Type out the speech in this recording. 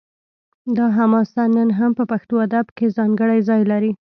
دا حماسه نن هم په پښتو ادب کې ځانګړی ځای لري